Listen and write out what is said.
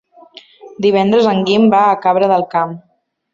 Divendres en Guim va a Cabra del Camp.